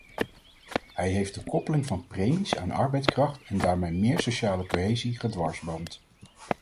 Hij heeft de koppeling van premies aan arbeidskracht en daarmee meer sociale cohesie gedwarsboomd.